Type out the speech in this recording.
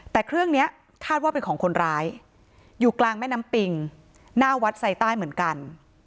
แต่เครื่องนี้คาดว่าเป็นของคนร้ายอยู่กลางแม่น้ำปิงหน้าวัดไซใต้เหมือนกัน